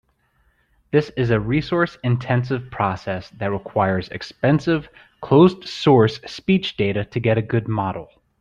This is a resource-intensive process that requires expensive closed-source speech data to get a good model.